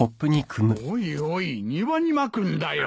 おいおい庭にまくんだよ。